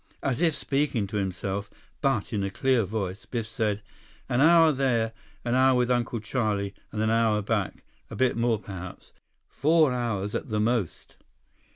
As if speaking to himself, but in a clear voice, Biff said, "An hour there, an hour with Uncle Charlie, and an hour back—a bit more, perhaps. Four hours at the most."